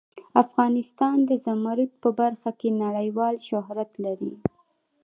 افغانستان د زمرد په برخه کې نړیوال شهرت لري.